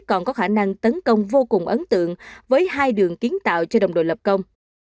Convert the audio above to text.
còn có khả năng tấn công vô cùng ấn tượng với hai đường kiến tạo cho đồng đội lập công